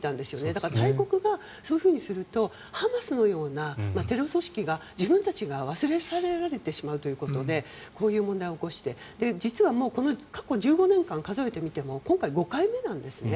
だから大国がそういうふうにするとハマスのようなテロ組織が自分たちが忘れ去られてしまうということでこういう問題を起こして実はもう過去１５年間数えてみても今回、５回目なんですね。